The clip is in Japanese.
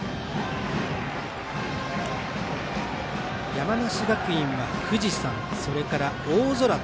山梨学院の方が富士山それから、大空。